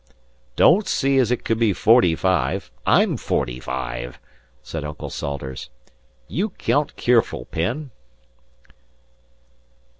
"Don't see as it could be forty five. I'm forty five," said Uncle Salters. "You count keerful, Penn."